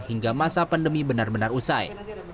hingga masa pandemi benar benar usai